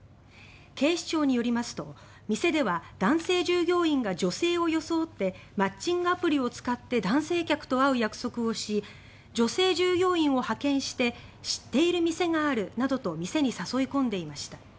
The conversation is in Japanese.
警視庁によりますと、店では男性従業員が女性を装ってマッチングアプリを使って男性客と会う約束をし女性従業員を派遣して知っている店があるなどと店に誘い込んでいました。